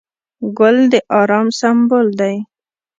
ګل د ارام سمبول دی.